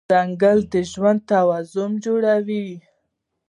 ځنګل د ژوند توازن جوړوي.